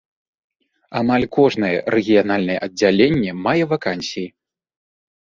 Амаль кожнае рэгіянальнае аддзяленне мае вакансіі.